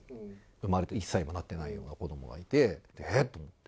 生まれて１歳にもなってないような子どもがいて、えっ？と思って。